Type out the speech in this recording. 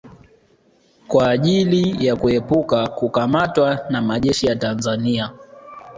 Kwa ajili ya kuepuka kukamatwa na majeshi ya Tanzania